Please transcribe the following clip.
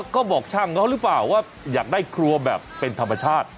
ก็บอกช่างเขาหรือเปล่าว่าอยากได้ครัวแบบเป็นธรรมชาติ